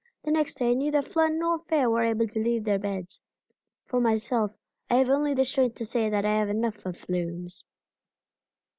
The next day neither Flood nor Fair were able to leave their beds. For myself, I have only the strength to say that I have had enough of flumes.